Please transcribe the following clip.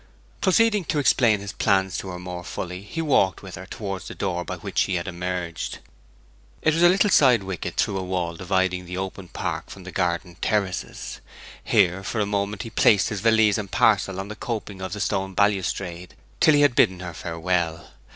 Proceeding to explain his plans to her more fully, he walked with her towards the door by which she had emerged. It was a little side wicket through a wall dividing the open park from the garden terraces. Here for a moment he placed his valise and parcel on the coping of the stone balustrade, till he had bidden her farewell.